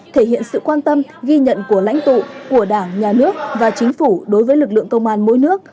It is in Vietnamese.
thể hiện sự quan tâm ghi nhận của lãnh tụ của đảng nhà nước và chính phủ đối với lực lượng công an mỗi nước